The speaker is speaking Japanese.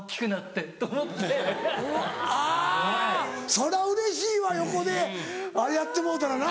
そりゃうれしいわ横であれやってもろうたらな。